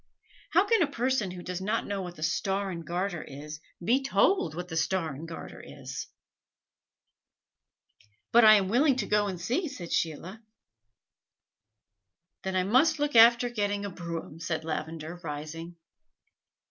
How can a person who does not know what the Star and Garter is, be told what the Star and Garter is?" "But I am willing to go and see," said Sheila. "Then I must look after getting a brougham," said Lavender, rising.